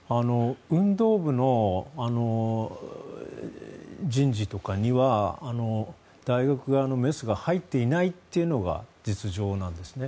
運動部の人事とかには大学側のメスが入っていないというのが実情なんですね。